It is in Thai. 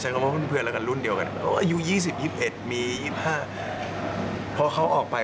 ใช้คำว่าลุกนี้อายุ๒๐๒๑มี๒๕พอเขาออกไป